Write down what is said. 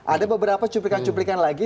ada beberapa cuplikan cuplikan lagi